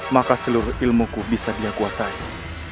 maka seluruh ilmuku bisa diakuasai